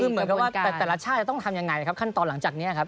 คือเหมือนกับว่าแต่ละชาติจะต้องทำยังไงครับขั้นตอนหลังจากนี้ครับ